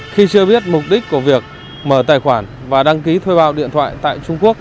khi chưa biết mục đích của việc mở tài khoản và đăng ký thuê bao điện thoại tại trung quốc